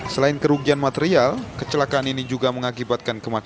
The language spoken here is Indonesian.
selain kerugian material kecelakaan ini juga mengakibatkan peralatan bengkel